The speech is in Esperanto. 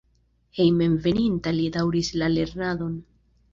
Hejmenveninta li daŭris la lernadon.